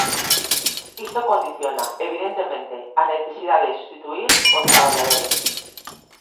Isto condiciona, evidentemente, a necesidade de substituír os traballadores.